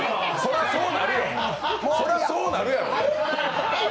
そりゃそうなるよ。